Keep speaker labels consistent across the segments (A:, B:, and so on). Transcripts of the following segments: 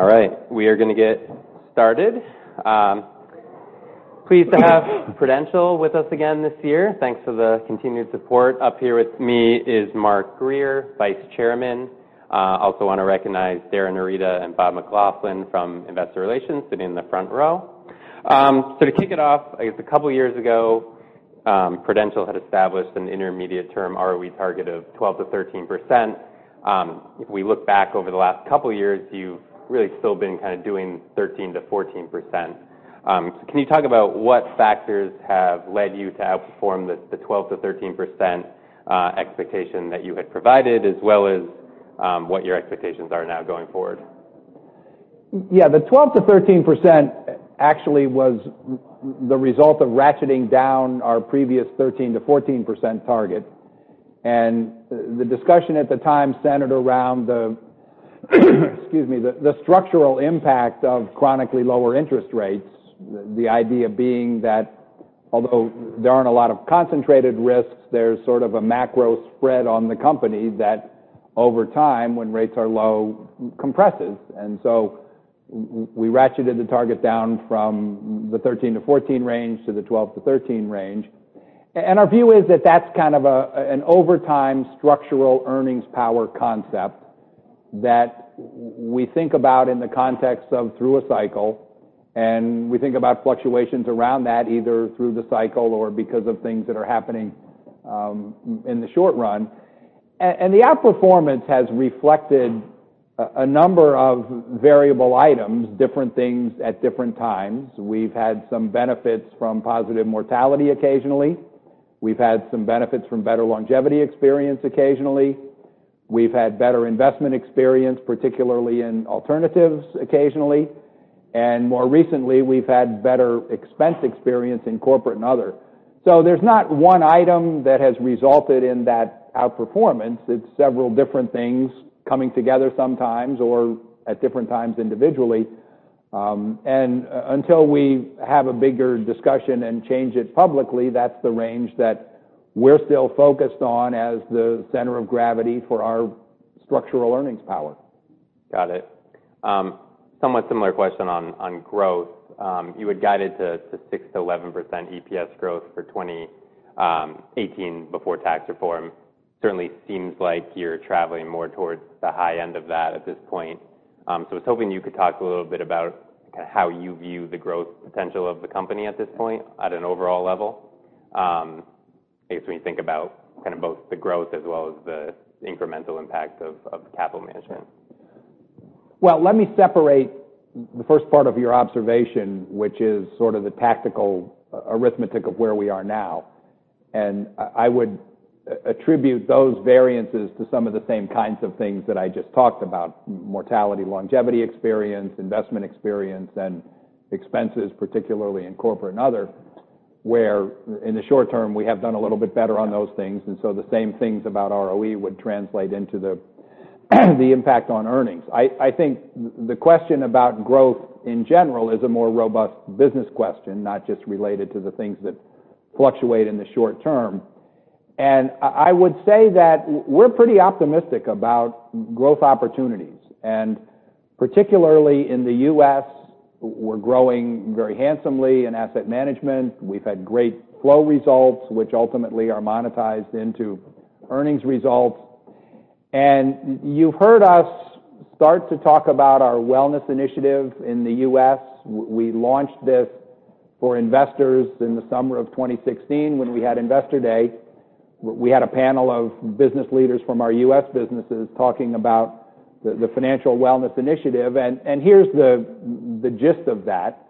A: All right. We are going to get started. Pleased to have Prudential with us again this year. Thanks for the continued support. Up here with me is Mark Grier, vice chairman. Also want to recognize Darin Arita and Robert McLaughlin from investor relations sitting in the front row. To kick it off, I guess a couple years ago, Prudential had established an intermediate term ROE target of 12%-13%. If we look back over the last couple years, you've really still been kind of doing 13%-14%. Can you talk about what factors have led you to outperform the 12%-13% expectation that you had provided, as well as what your expectations are now going forward?
B: Yeah. The 12%-13% actually was the result of ratcheting down our previous 13%-14% target, and the discussion at the time centered around the structural impact of chronically lower interest rates. The idea being that although there aren't a lot of concentrated risks, there's sort of a macro spread on the company that over time, when rates are low, compresses. We ratcheted the target down from the 13%-14% range to the 12%-13% range. Our view is that that's kind of an over time structural earnings power concept that we think about in the context of through a cycle, and we think about fluctuations around that either through the cycle or because of things that are happening in the short run. The outperformance has reflected a number of variable items, different things at different times. We've had some benefits from positive mortality occasionally. We've had some benefits from better longevity experience occasionally. We've had better investment experience, particularly in alternatives occasionally, and more recently, we've had better expense experience in corporate and other. There's not one item that has resulted in that outperformance. It's several different things coming together sometimes or at different times individually. Until we have a bigger discussion and change it publicly, that's the range that we're still focused on as the center of gravity for our structural earnings power.
A: Got it. Somewhat similar question on growth. You had guided to 6%-11% EPS growth for 2018 before tax reform. Certainly seems like you're traveling more towards the high end of that at this point. I was hoping you could talk a little bit about how you view the growth potential of the company at this point at an overall level, I guess when you think about kind of both the growth as well as the incremental impact of capital management.
B: Well, let me separate the first part of your observation, which is sort of the tactical arithmetic of where we are now. I would attribute those variances to some of the same kinds of things that I just talked about, mortality, longevity experience, investment experience, and expenses, particularly in corporate and other, where in the short term, we have done a little bit better on those things, so the same things about ROE would translate into the impact on earnings. I think the question about growth in general is a more robust business question, not just related to the things that fluctuate in the short term. I would say that we're pretty optimistic about growth opportunities, and particularly in the U.S., we're growing very handsomely in asset management. We've had great flow results, which ultimately are monetized into earnings results. You heard us start to talk about our wellness initiative in the U.S. We launched this for investors in the summer of 2016 when we had Investor Day. We had a panel of business leaders from our U.S. businesses talking about the financial wellness initiative, and here's the gist of that.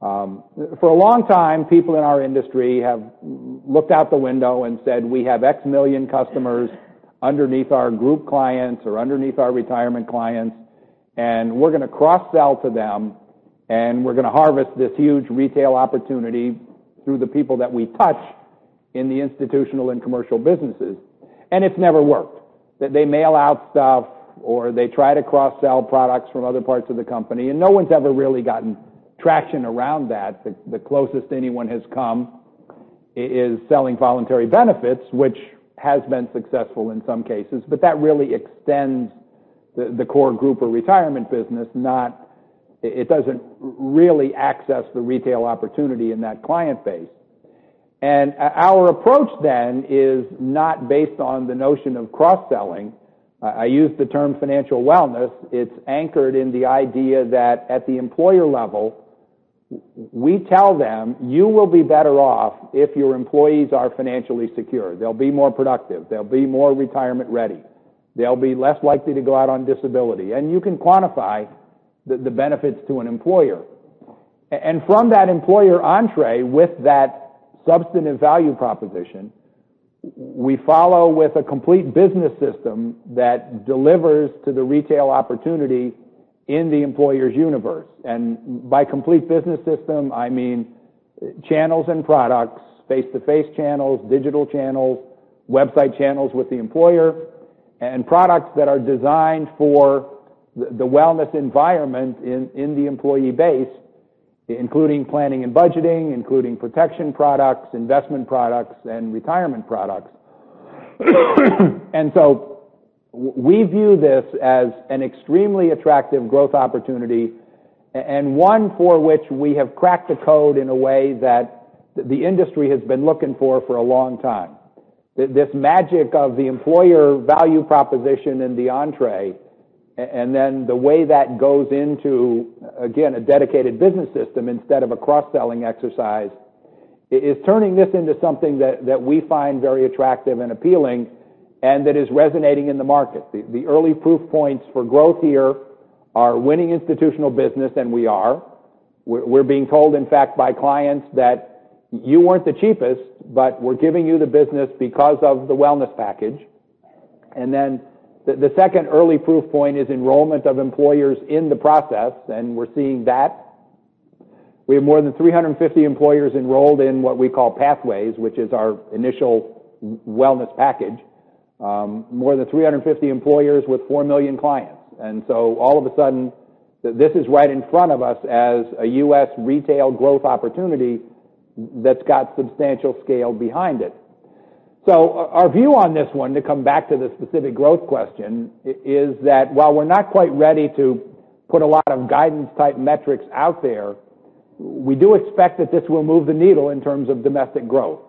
B: For a long time, people in our industry have looked out the window and said, "We have X million customers underneath our group clients or underneath our retirement clients, and we're going to cross-sell to them, and we're going to harvest this huge retail opportunity through the people that we touch in the institutional and commercial businesses." It's never worked. They mail out stuff, or they try to cross-sell products from other parts of the company, no one's ever really gotten traction around that. The closest anyone has come is selling voluntary benefits, which has been successful in some cases, but that really extends the core group or retirement business. It doesn't really access the retail opportunity in that client base. Our approach then is not based on the notion of cross-selling. I use the term financial wellness. It's anchored in the idea that at the employer level, we tell them, "You will be better off if your employees are financially secure. They'll be more productive. They'll be more retirement ready. They'll be less likely to go out on disability." You can quantify the benefits to an employer. From that employer entrée with that substantive value proposition, we follow with a complete business system that delivers to the retail opportunity in the employer's universe. By complete business system, I mean channels and products, face-to-face channels, digital channels, website channels with the employer, and products that are designed for the wellness environment in the employee base, including planning and budgeting, including protection products, investment products, and retirement products. So we view this as an extremely attractive growth opportunity, and one for which we have cracked the code in a way that the industry has been looking for a long time. This magic of the employer value proposition in the entree, and then the way that goes into, again, a dedicated business system instead of a cross-selling exercise, is turning this into something that we find very attractive and appealing, and that is resonating in the market. The early proof points for growth here are winning institutional business, and we are. We're being told, in fact, by clients that, "You weren't the cheapest, but we're giving you the business because of the wellness package." The second early proof point is enrollment of employers in the process, and we're seeing that. We have more than 350 employers enrolled in what we call Pathways, which is our initial wellness package. More than 350 employers with four million clients. All of a sudden, this is right in front of us as a U.S. retail growth opportunity that's got substantial scale behind it. Our view on this one, to come back to the specific growth question, is that while we're not quite ready to put a lot of guidance-type metrics out there, we do expect that this will move the needle in terms of domestic growth.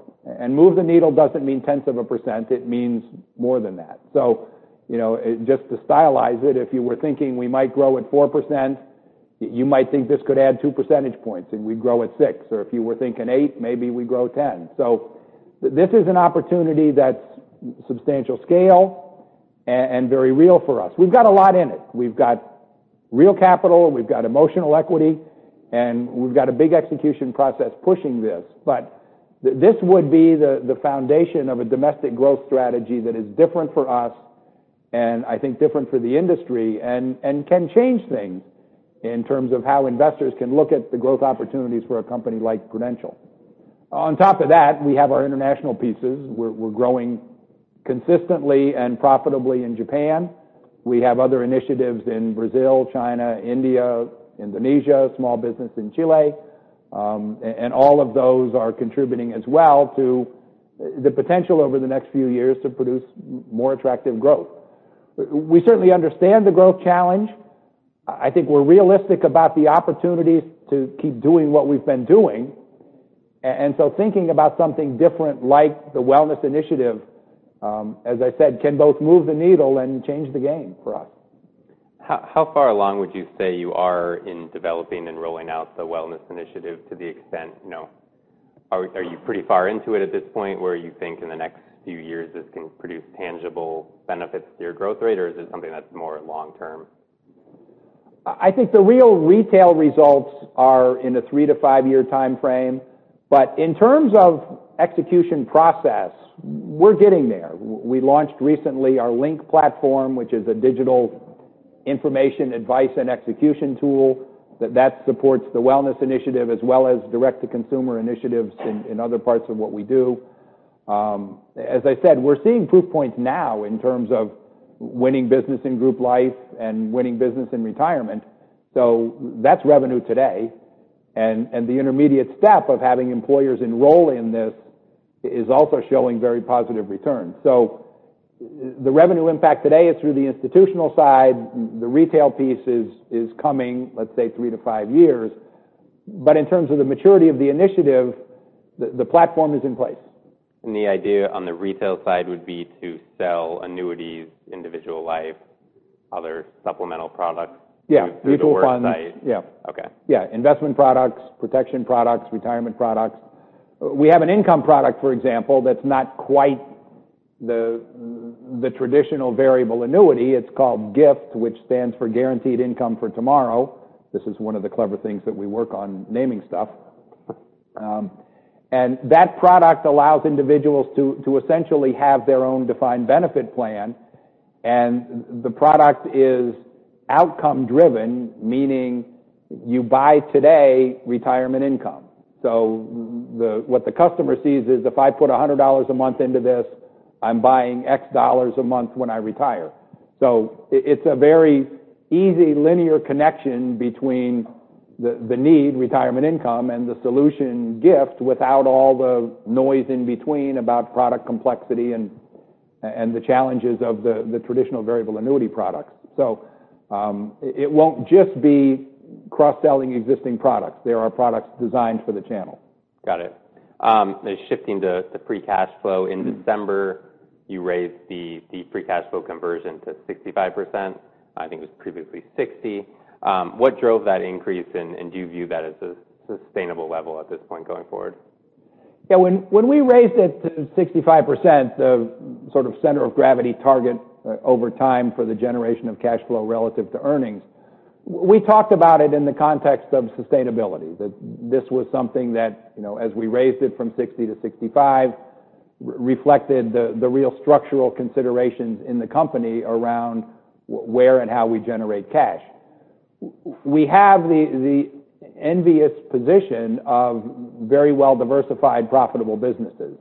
B: Move the needle doesn't mean tenths of a percent, it means more than that. Just to stylize it, if you were thinking we might grow at 4%, you might think this could add two percentage points and we'd grow at 6%. If you were thinking eight, maybe we'd grow 10%. This is an opportunity that's substantial scale and very real for us. We've got a lot in it. We've got real capital, we've got emotional equity, and we've got a big execution process pushing this. This would be the foundation of a domestic growth strategy that is different for us, and I think different for the industry, and can change things in terms of how investors can look at the growth opportunities for a company like Prudential. On top of that, we have our international pieces. We're growing consistently and profitably in Japan. We have other initiatives in Brazil, China, India, Indonesia, small business in Chile. All of those are contributing as well to the potential over the next few years to produce more attractive growth. We certainly understand the growth challenge. I think we're realistic about the opportunities to keep doing what we've been doing. Thinking about something different like the wellness initiative, as I said, can both move the needle and change the game for us.
A: How far along would you say you are in developing and rolling out the wellness initiative? Are you pretty far into it at this point, where you think in the next few years this can produce tangible benefits to your growth rate, or is it something that's more long-term?
B: I think the real retail results are in the three to five-year timeframe. In terms of execution process, we're getting there. We launched recently our Link platform, which is a digital information, advice, and execution tool that supports the wellness initiative as well as direct-to-consumer initiatives in other parts of what we do. As I said, we're seeing proof points now in terms of winning business in group life and winning business in retirement. That's revenue today, and the intermediate step of having employers enroll in this is also showing very positive returns. The revenue impact today is through the institutional side. The retail piece is coming, let's say, three to five years. In terms of the maturity of the initiative, the platform is in place.
A: The idea on the retail side would be to sell annuities, individual life, other supplemental products.
B: Yeah
A: through the work site.
B: Mutual funds. Yeah.
A: Okay.
B: Yeah. Investment products, protection products, retirement products. We have an income product, for example, that's not quite the traditional variable annuity. It's called GIFT, which stands for Guaranteed Income for Tomorrow. This is one of the clever things that we work on naming stuff. That product allows individuals to essentially have their own defined benefit plan, and the product is outcome driven, meaning you buy today retirement income. What the customer sees is, "If I put $100 a month into this, I'm buying X dollars a month when I retire." It's a very easy linear connection between the need, retirement income, and the solution, GIFT, without all the noise in between about product complexity and the challenges of the traditional variable annuity products. It won't just be cross-selling existing products. There are products designed for the channel.
A: Got it. Shifting to free cash flow. In December, you raised the free cash flow conversion to 65%. I think it was previously 60%. What drove that increase, and do you view that as a sustainable level at this point going forward?
B: Yeah. When we raised it to 65%, the sort of center of gravity target over time for the generation of cash flow relative to earnings, we talked about it in the context of sustainability. That this was something that, as we raised it from 60 to 65, reflected the real structural considerations in the company around where and how we generate cash. We have the envious position of very well-diversified profitable businesses.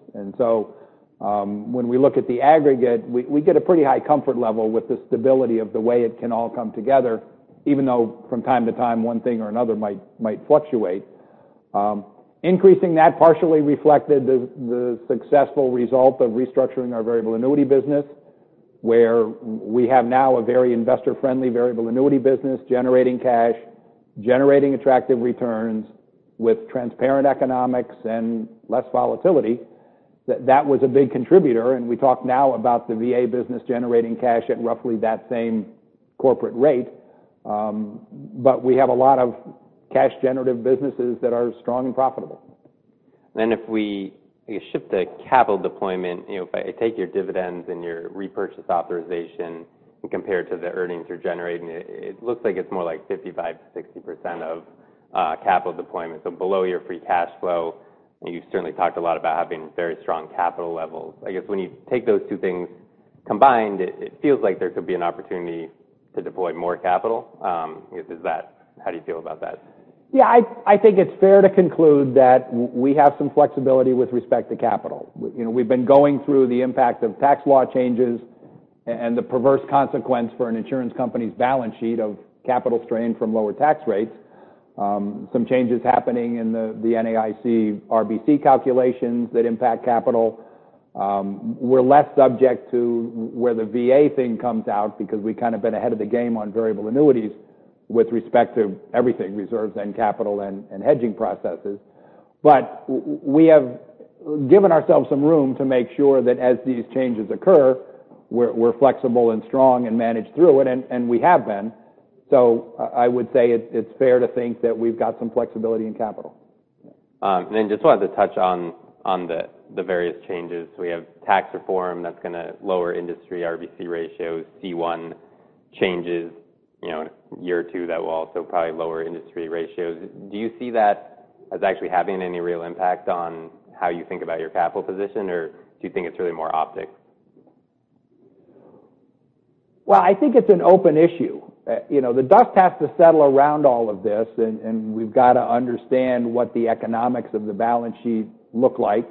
B: When we look at the aggregate, we get a pretty high comfort level with the stability of the way it can all come together, even though from time to time, one thing or another might fluctuate. Increasing that partially reflected the successful result of restructuring our variable annuity business, where we have now a very investor-friendly variable annuity business generating cash, generating attractive returns with transparent economics and less volatility. That was a big contributor, we talk now about the VA business generating cash at roughly that same corporate rate. We have a lot of cash generative businesses that are strong and profitable.
A: If we shift to capital deployment, if I take your dividends and your repurchase authorization and compare it to the earnings you're generating, it looks like it's more like 55%-60% of capital deployment, so below your free cash flow. You've certainly talked a lot about having very strong capital levels. I guess when you take those two things combined, it feels like there could be an opportunity to deploy more capital. How do you feel about that?
B: I think it's fair to conclude that we have some flexibility with respect to capital. We've been going through the impact of tax law changes and the perverse consequence for an insurance company's balance sheet of capital strain from lower tax rates. Some changes happening in the NAIC RBC calculations that impact capital. We're less subject to where the VA thing comes out because we've kind of been ahead of the game on variable annuities with respect to everything, reserves and capital and hedging processes. We have given ourselves some room to make sure that as these changes occur, we're flexible and strong and manage through it, and we have been. I would say it's fair to think that we've got some flexibility in capital.
A: Just wanted to touch on the various changes. We have tax reform that's going to lower industry RBC ratios, C1 changes, year two that will also probably lower industry ratios. Do you see that as actually having any real impact on how you think about your capital position or do you think it's really more optics?
B: I think it's an open issue. The dust has to settle around all of this, and we've got to understand what the economics of the balance sheet look like.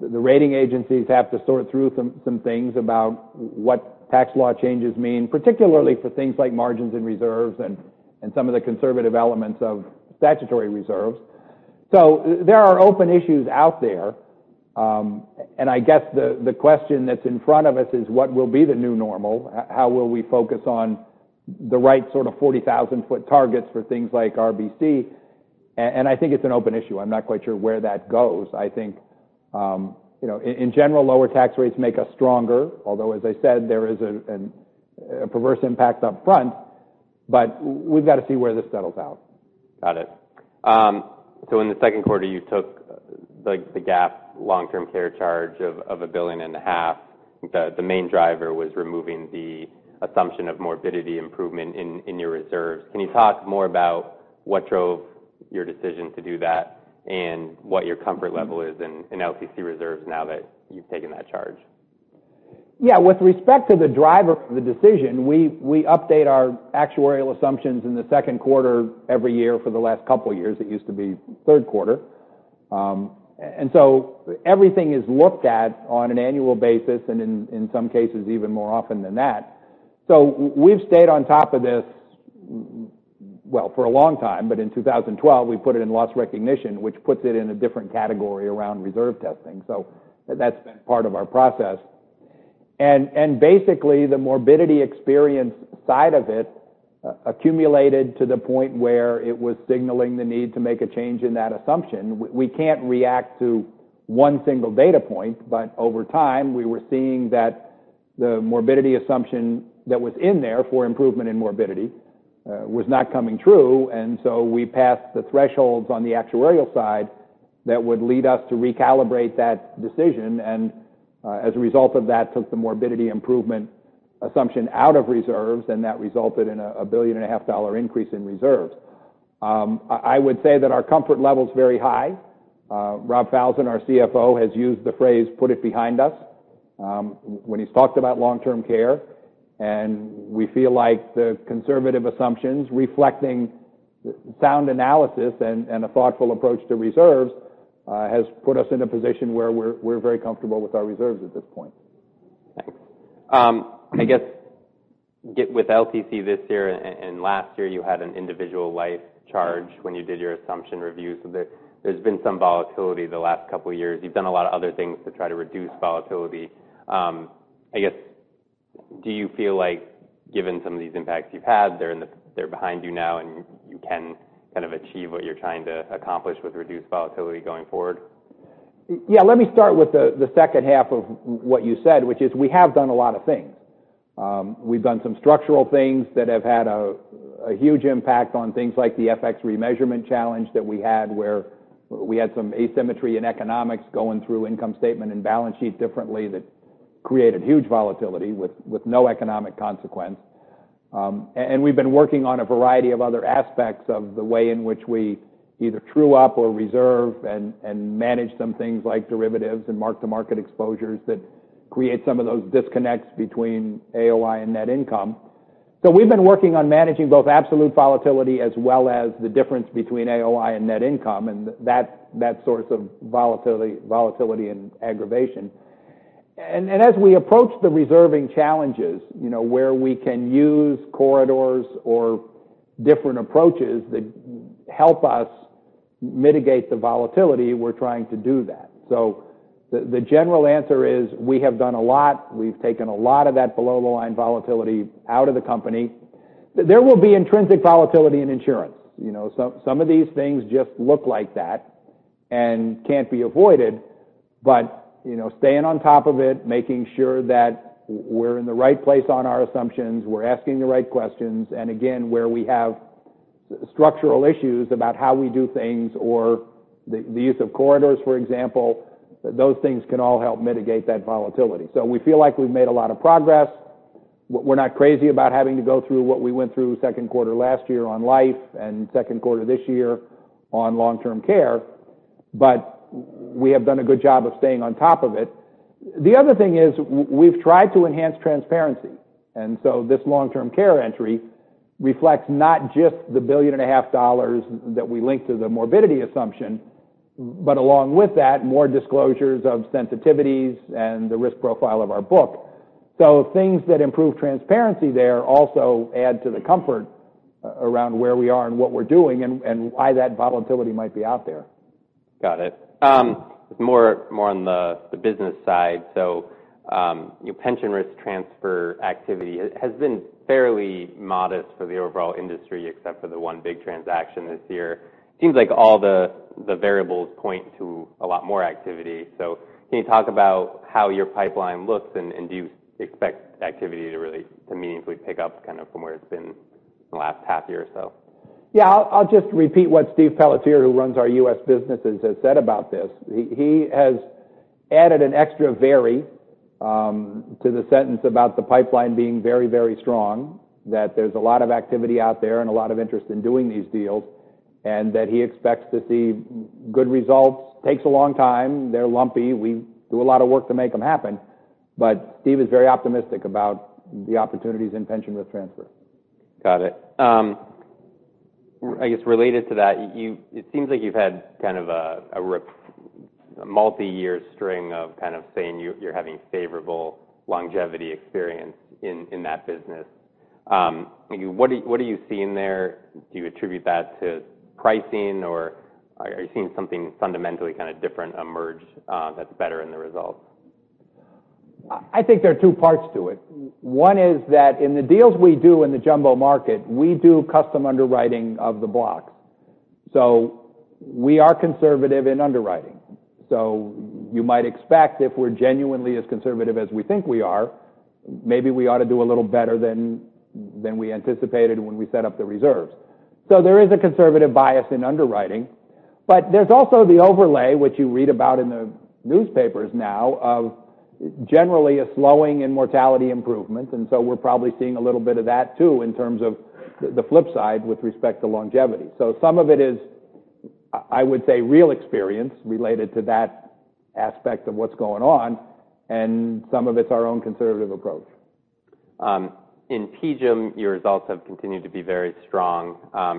B: The rating agencies have to sort through some things about what tax law changes mean, particularly for things like margins and reserves and some of the conservative elements of statutory reserves. There are open issues out there. I guess the question that's in front of us is what will be the new normal? How will we focus on the right sort of 40,000-foot targets for things like RBC? I think it's an open issue. I'm not quite sure where that goes. I think, in general, lower tax rates make us stronger, although as I said, there is a perverse impact up front, but we've got to see where this settles out.
A: Got it. In the second quarter, you took the GAAP long-term care charge of a billion and a half. The main driver was removing the assumption of morbidity improvement in your reserves. Can you talk more about what drove your decision to do that and what your comfort level is in LTC reserves now that you've taken that charge?
B: With respect to the driver for the decision, we update our actuarial assumptions in the second quarter every year for the last couple of years. It used to be third quarter. Everything is looked at on an annual basis and in some cases even more often than that. We've stayed on top of this, well, for a long time, but in 2012, we put it in loss recognition, which puts it in a different category around reserve testing. That's been part of our process. Basically, the morbidity experience side of it accumulated to the point where it was signaling the need to make a change in that assumption. We can't react to one single data point, but over time, we were seeing that the morbidity assumption that was in there for improvement in morbidity was not coming true, and so we passed the thresholds on the actuarial side that would lead us to recalibrate that decision, and as a result of that, took the morbidity improvement assumption out of reserves, and that resulted in a billion-and-a-half-dollar increase in reserves. I would say that our comfort level is very high. Robert Falzon, our CFO, has used the phrase, "Put it behind us," when he's talked about long-term care, and we feel like the conservative assumptions reflecting sound analysis and a thoughtful approach to reserves has put us in a position where we're very comfortable with our reserves at this point.
A: Thanks. I guess with LTC this year and last year, you had an individual life charge when you did your assumption review. There's been some volatility the last couple of years. You've done a lot of other things to try to reduce volatility. I guess, do you feel like given some of these impacts you've had, they're behind you now and you can kind of achieve what you're trying to accomplish with reduced volatility going forward?
B: Yeah, let me start with the second half of what you said, which is we have done a lot of things. We've done some structural things that have had a huge impact on things like the FX remeasurement challenge that we had where we had some asymmetry in economics going through income statement and balance sheet differently that created huge volatility with no economic consequence. We've been working on a variety of other aspects of the way in which we either true up or reserve and manage some things like derivatives and mark-to-market exposures that create some of those disconnects between AOI and net income. We've been working on managing both absolute volatility as well as the difference between AOI and net income, and that source of volatility and aggravation. As we approach the reserving challenges, where we can use corridors or different approaches that help us mitigate the volatility, we're trying to do that. The general answer is we have done a lot. We've taken a lot of that below-the-line volatility out of the company. There will be intrinsic volatility in insurance. Some of these things just look like that and can't be avoided, but staying on top of it, making sure that we're in the right place on our assumptions, we're asking the right questions, and again, where we have structural issues about how we do things or the use of corridors, for example, those things can all help mitigate that volatility. We feel like we've made a lot of progress. We're not crazy about having to go through what we went through second quarter last year on life and second quarter this year on long-term care, but we have done a good job of staying on top of it. This long-term care entry reflects not just the billion and a half dollars that we link to the morbidity assumption, but along with that, more disclosures of sensitivities and the risk profile of our book. Things that improve transparency there also add to the comfort around where we are and what we're doing and why that volatility might be out there.
A: Got it. More on the business side. Pension risk transfer activity has been fairly modest for the overall industry, except for the one big transaction this year. Seems like all the variables point to a lot more activity. Can you talk about how your pipeline looks, and do you expect activity to meaningfully pick up from where it's been in the last half year or so?
B: Yeah, I'll just repeat what Stephen Pelletier, who runs our U.S. businesses, has said about this. He has added an extra "very" to the sentence about the pipeline being very, very strong, that there's a lot of activity out there and a lot of interest in doing these deals, and that he expects to see good results. Takes a long time. They're lumpy. We do a lot of work to make them happen. Steve is very optimistic about the opportunities in pension risk transfer.
A: Got it. I guess related to that, it seems like you've had a multi-year string of saying you're having favorable longevity experience in that business. What are you seeing there? Do you attribute that to pricing, or are you seeing something fundamentally different emerge that's better in the results?
B: I think there are two parts to it. One is that in the deals we do in the jumbo market, we do custom underwriting of the blocks. We are conservative in underwriting. You might expect if we're genuinely as conservative as we think we are, maybe we ought to do a little better than we anticipated when we set up the reserves. There is a conservative bias in underwriting, but there's also the overlay, which you read about in the newspapers now, of generally a slowing in mortality improvement, and so we're probably seeing a little bit of that too, in terms of the flip side with respect to longevity. Some of it is, I would say, real experience related to that aspect of what's going on, and some of it's our own conservative approach.
A: In PGIM, your results have continued to be very strong.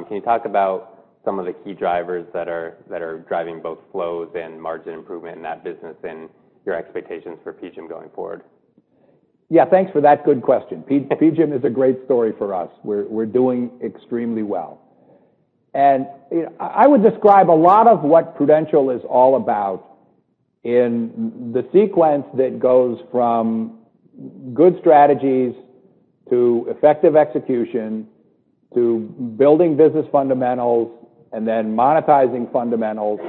A: Can you talk about some of the key drivers that are driving both flows and margin improvement in that business and your expectations for PGIM going forward?
B: Thanks for that good question. PGIM is a great story for us. We're doing extremely well. I would describe a lot of what Prudential is all about in the sequence that goes from good strategies to effective execution to building business fundamentals, and then monetizing fundamentals,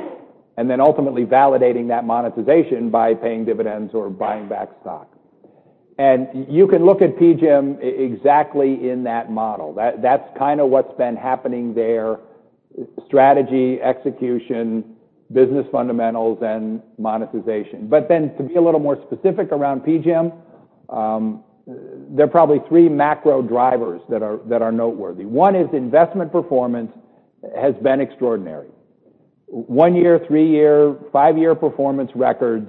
B: and then ultimately validating that monetization by paying dividends or buying back stock. You can look at PGIM exactly in that model. That's kind of what's been happening there, strategy, execution, business fundamentals, and monetization. To be a little more specific around PGIM, there are probably three macro drivers that are noteworthy. One is investment performance has been extraordinary. One-year, three-year, five-year performance records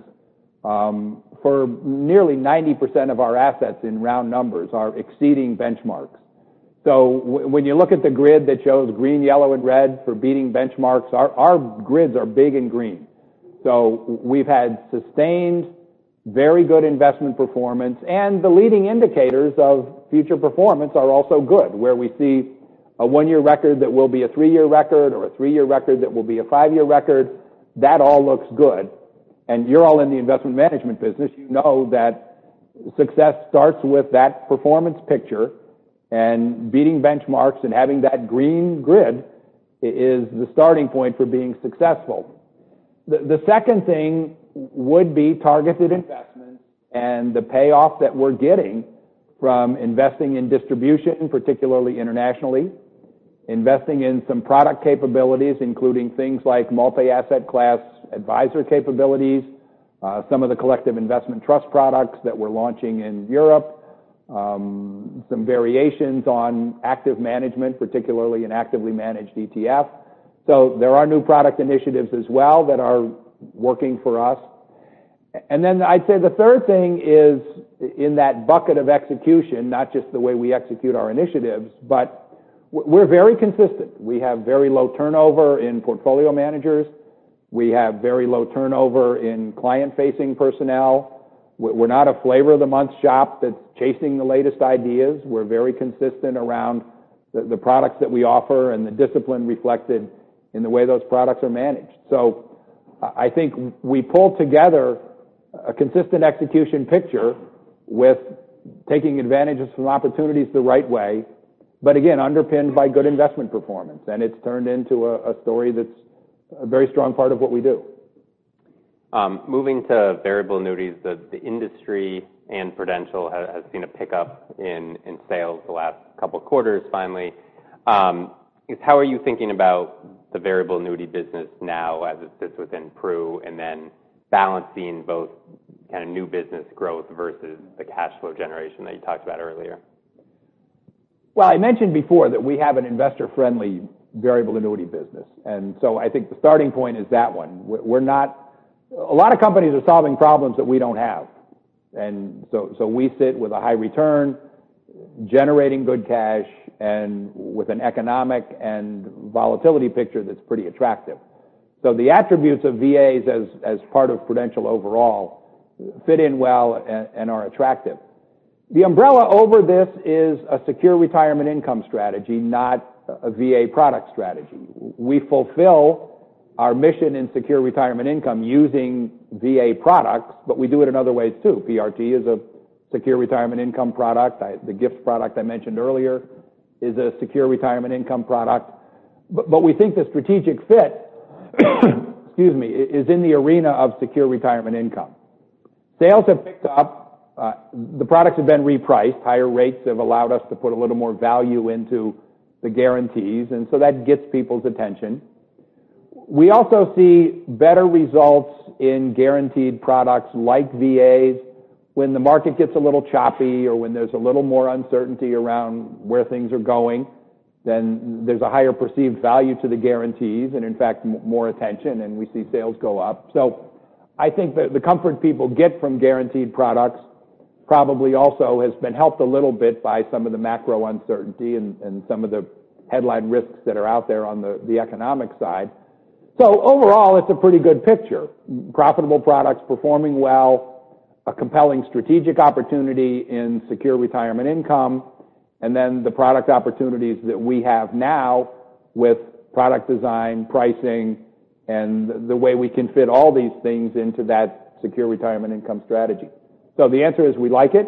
B: for nearly 90% of our assets in round numbers are exceeding benchmarks. When you look at the grid that shows green, yellow, and red for beating benchmarks, our grids are big and green. We've had sustained very good investment performance, and the leading indicators of future performance are also good, where we see a one-year record that will be a three-year record or a three-year record that will be a five-year record. That all looks good. You're all in the investment management business. You know that success starts with that performance picture and beating benchmarks and having that green grid is the starting point for being successful. The second thing would be targeted investments and the payoff that we're getting from investing in distribution, particularly internationally, investing in some product capabilities, including things like multi-asset class advisor capabilities, some of the collective investment trust products that we're launching in Europe, some variations on active management, particularly in actively managed ETF. There are new product initiatives as well that are working for us. I'd say the third thing is in that bucket of execution, not just the way we execute our initiatives, but we're very consistent. We have very low turnover in portfolio managers. We have very low turnover in client-facing personnel. We're not a flavor of the month shop that's chasing the latest ideas. We're very consistent around the products that we offer and the discipline reflected in the way those products are managed. I think we pull together a consistent execution picture with taking advantage of some opportunities the right way, but again, underpinned by good investment performance. It's turned into a story that's a very strong part of what we do.
A: Moving to variable annuities, the industry and Prudential has seen a pickup in sales the last couple of quarters, finally. How are you thinking about the variable annuity business now as it sits within Pru, and then balancing both new business growth versus the cash flow generation that you talked about earlier?
B: Well, I mentioned before that we have an investor-friendly variable annuity business. I think the starting point is that one. A lot of companies are solving problems that we don't have. We sit with a high return, generating good cash, and with an economic and volatility picture that's pretty attractive. The attributes of VAs as part of Prudential overall fit in well and are attractive. The umbrella over this is a secure retirement income strategy, not a VA product strategy. We fulfill our mission in secure retirement income using VA products, but we do it in other ways, too. PRT is a secure retirement income product. The GIFT product I mentioned earlier is a secure retirement income product. We think the strategic fit is in the arena of secure retirement income. Sales have picked up. The products have been repriced. Higher rates have allowed us to put a little more value into the guarantees, that gets people's attention. We also see better results in guaranteed products like VAs when the market gets a little choppy or when there's a little more uncertainty around where things are going, there's a higher perceived value to the guarantees, and in fact, more attention, and we see sales go up. I think that the comfort people get from guaranteed products probably also has been helped a little bit by some of the macro uncertainty and some of the headline risks that are out there on the economic side. Overall, it's a pretty good picture. Profitable products performing well, a compelling strategic opportunity in secure retirement income, the product opportunities that we have now with product design, pricing, and the way we can fit all these things into that secure retirement income strategy. The answer is we like it.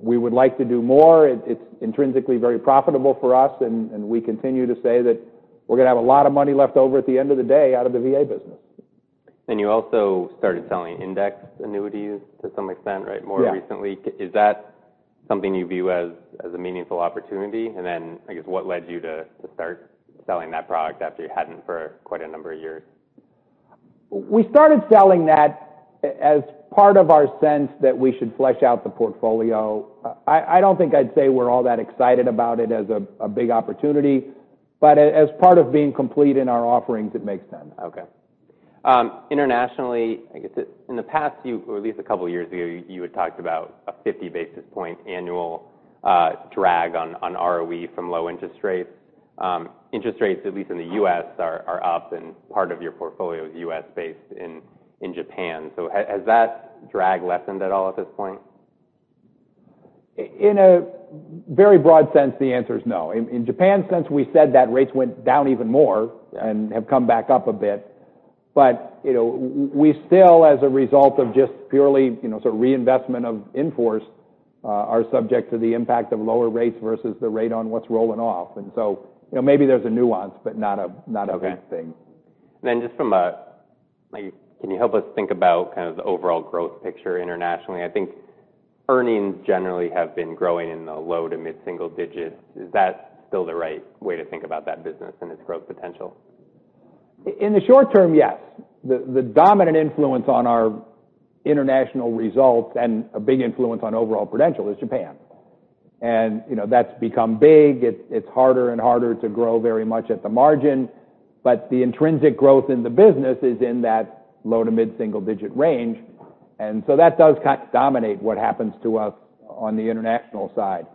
B: We would like to do more. It's intrinsically very profitable for us, and we continue to say that we're going to have a lot of money left over at the end of the day out of the VA business.
A: You also started selling indexed annuities to some extent, right?
B: Yeah
A: more recently. Is that something you view as a meaningful opportunity? I guess, what led you to start selling that product after you hadn't for quite a number of years?
B: We started selling that as part of our sense that we should flesh out the portfolio. I don't think I'd say we're all that excited about it as a big opportunity, but as part of being complete in our offerings, it makes sense.
A: Okay. Internationally, I guess in the past, or at least a couple of years ago, you had talked about a 50 basis points annual drag on ROE from low interest rates. Interest rates, at least in the U.S., are up and part of your portfolio is U.S.-based in Japan. Has that drag lessened at all at this point?
B: In a very broad sense, the answer is no. In Japan, since we said that rates went down even more and have come back up a bit. We still, as a result of just purely, sort of reinvestment of in-force, are subject to the impact of lower rates versus the rate on what's rolling off. Maybe there's a nuance, but not a big thing.
A: Okay. Can you help us think about the overall growth picture internationally? I think earnings generally have been growing in the low to mid-single digits. Is that still the right way to think about that business and its growth potential?
B: In the short term, yes. The dominant influence on our international results and a big influence on overall Prudential is Japan. That's become big. It's harder and harder to grow very much at the margin, but the intrinsic growth in the business is in that low to mid-single digit range. That does kind of dominate what happens to us on the international side.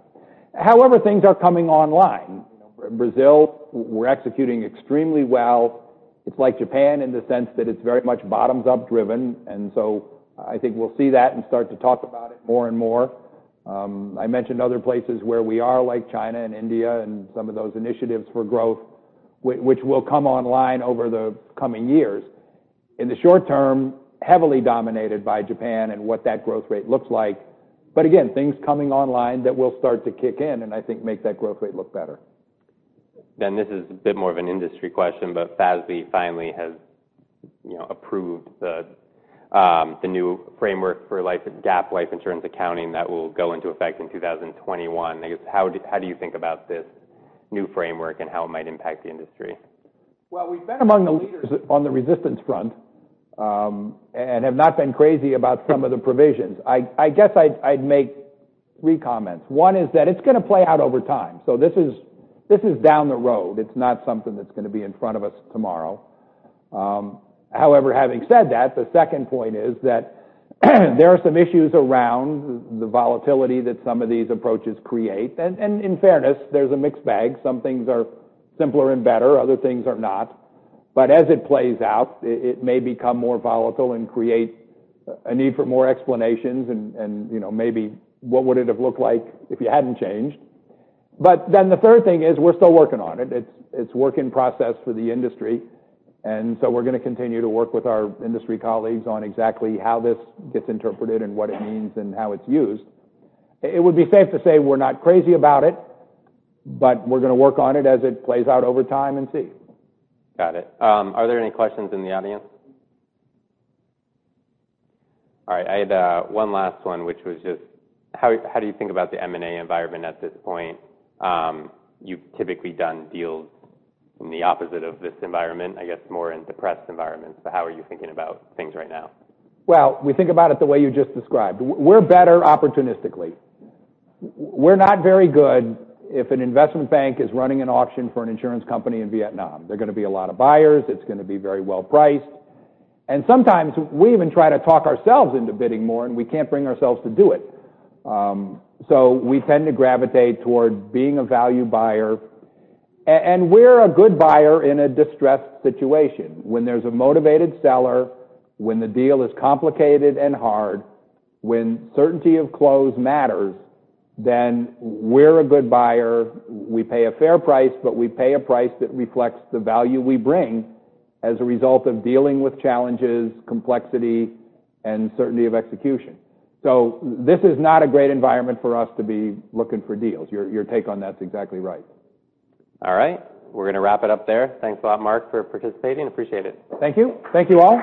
B: However, things are coming online. Brazil, we're executing extremely well. It's like Japan in the sense that it's very much bottoms-up driven, and so I think we'll see that and start to talk about it more and more. I mentioned other places where we are, like China and India and some of those initiatives for growth, which will come online over the coming years. In the short term, heavily dominated by Japan and what that growth rate looks like. Again, things coming online that will start to kick in and I think make that growth rate look better.
A: This is a bit more of an industry question, but FASB finally has approved the new framework for GAAP life insurance accounting that will go into effect in 2021. I guess, how do you think about this new framework and how it might impact the industry?
B: We've been among the leaders on the resistance front, and have not been crazy about some of the provisions. I guess I'd make three comments. One is that it's going to play out over time. This is down the road. It's not something that's going to be in front of us tomorrow. However, having said that, the second point is that there are some issues around the volatility that some of these approaches create. In fairness, there's a mixed bag. Some things are simpler and better, other things are not. As it plays out, it may become more volatile and create a need for more explanations and maybe what would it have looked like if you hadn't changed. The third thing is we're still working on it. It's work in process for the industry. We're going to continue to work with our industry colleagues on exactly how this gets interpreted and what it means and how it's used. It would be safe to say we're not crazy about it. We're going to work on it as it plays out over time and see.
A: Got it. Are there any questions in the audience? All right. I had one last one, which was just how do you think about the M&A environment at this point? You've typically done deals in the opposite of this environment, I guess more in depressed environments. How are you thinking about things right now?
B: We think about it the way you just described. We're better opportunistically. We're not very good if an investment bank is running an auction for an insurance company in Vietnam. They're going to be a lot of buyers, it's going to be very well priced. Sometimes we even try to talk ourselves into bidding more, and we can't bring ourselves to do it. We tend to gravitate toward being a value buyer. We're a good buyer in a distressed situation. When there's a motivated seller, when the deal is complicated and hard, when certainty of close matters, then we're a good buyer. We pay a fair price, but we pay a price that reflects the value we bring as a result of dealing with challenges, complexity, and certainty of execution. This is not a great environment for us to be looking for deals. Your take on that's exactly right.
A: All right, we're going to wrap it up there. Thanks a lot, Mark, for participating. Appreciate it.
B: Thank you. Thank you all.